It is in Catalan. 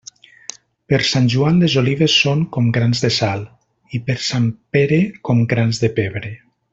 Per Sant Joan les olives són com grans de sal; i, per Sant Pere, com grans de pebre.